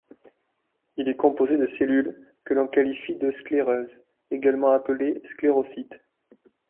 Il est composé de cellules que l'on qualifie de scléreuses, également appelées sclérocytes.